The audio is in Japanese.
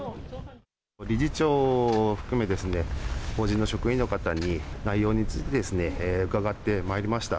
理事長を含め、法人の職員の方に内容について、伺ってまいりました。